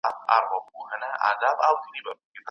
د شکر ناروغي کنټرول کړئ.